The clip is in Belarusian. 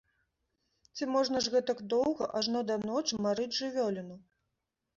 Ці можна ж гэтак доўга, ажно да ночы, марыць жывёліну!